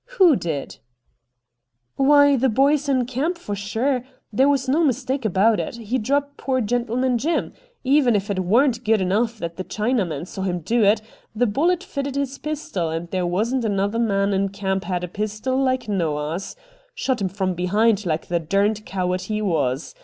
' Who did ?'' Why the boys in camp, for sure. There was no mistake about it ; he dropped poor Gentleman Jim. Even if it warn't good enough that the Chinaman saw him do it, the bullet fitted his pistol, and there wasn't another man in camp had a pistol like Noah's. Shot him from behind, like the derned coward he was.